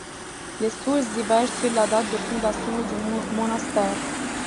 Les sources divergent sur la date de fondation du monastère.